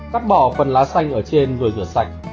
cắt bỏ phần lá xanh ở trên rồi rửa sạch